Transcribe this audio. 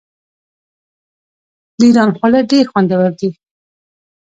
د ایران خواړه ډیر خوندور دي.